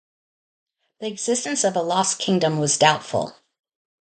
The existence of a lost kingdom was doubtful.